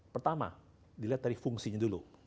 pertama dilihat dari fungsinya dulu